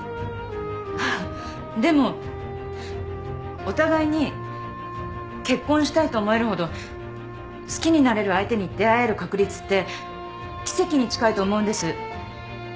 でもお互いに結婚したいと思えるほど好きになれる相手に出会える確率って奇跡に近いと思うんです。